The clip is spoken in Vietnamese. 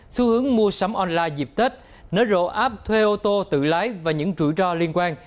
xu hướng mua sắm online dịp tết nớ rộ áp thuê ô tô tự lái và những rủi ro liên quan